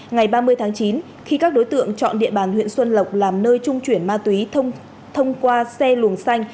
ngày ba mươi tháng chín khi các đối tượng chọn địa bàn huyện xuân lộc làm nơi trung chuyển ma túy thông qua xe luồng xanh